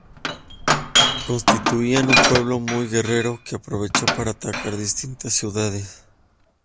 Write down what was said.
Constituían un pueblo muy guerrero, que aprovechó para atacar distintas ciudades.